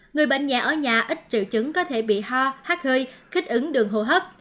người bệnh nhẹ ở nhà ít triệu chứng có thể bị ho hát hơi kích ứng đường hô hấp